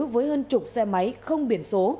với hơn chục xe máy không biển số